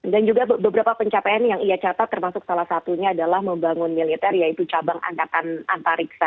dan juga beberapa pencapaian yang ia catat termasuk salah satunya adalah membangun militer yaitu cabang antariksa